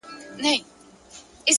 لوړ هدفونه ژوره ژمنتیا غواړي,